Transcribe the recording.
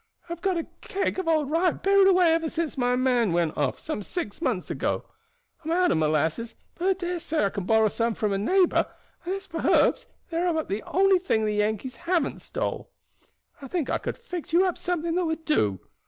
I have got a keg of old rye buried away ever since my man went off, six months ago; I am out of molasses, but I dare say I can borrow some from a neighbor, and as for herbs they are about the only thing the Yankees haven't stole. I think I could fix you up something that would do.